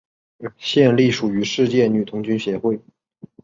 现隶属于世界女童军协会。